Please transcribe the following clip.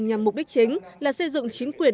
nhằm mục đích chính là xây dựng chính quyền